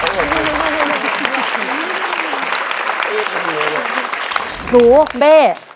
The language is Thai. สู้เหก